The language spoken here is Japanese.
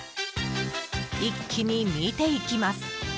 一気に見ていきます。